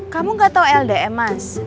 kamu gak tau ldm mas